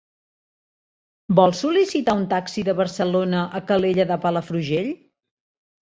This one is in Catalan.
Vol sol·licitar un taxi de Barcelona a Calella de Palafrugell?